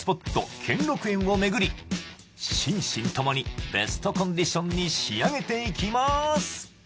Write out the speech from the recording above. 兼六園をめぐり心身ともにベストコンディションに仕上げていきまーす